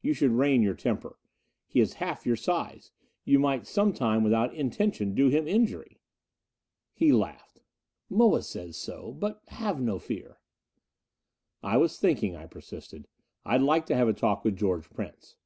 You should rein your temper. He is half your size you might some time, without intention do him injury." He laughed. "Moa says so. But have no fear " "I was thinking," I persisted, "I'd like to have a talk with George Prince."